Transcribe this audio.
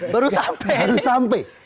baru sampai baru sampai